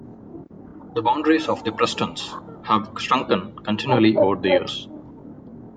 The boundaries of the Prestons have shrunken continually over the years.